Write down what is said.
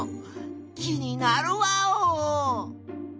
気になるワオ！